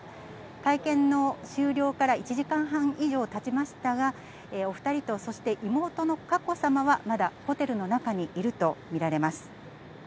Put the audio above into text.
会見の終了から１時間半以上たちましたが、お２人と、そして妹の佳子さまは、まだホテルの中にいると見られます。